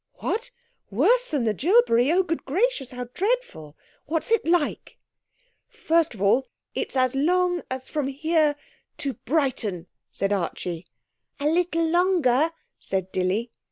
'What! Worse than the jilbery! Oh, good gracious! How dreadful! What's it like?' 'First of all it's as long as from here to Brighton,' said Archie. 'A little longer,' said Dilly.